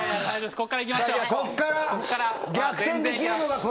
ここからいきましょう！